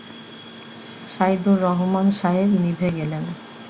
সাইদুর রহমান সাহেব নিভে গেলেন।